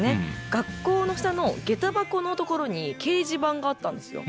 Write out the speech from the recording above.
学校の下の下駄箱の所に掲示板があったんですよ。